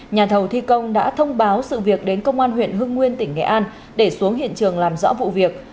nhà thầu thi công đã thông báo sự việc đến công an huyện hưng nguyên tỉnh nghệ an để xuống hiện trường làm rõ vụ việc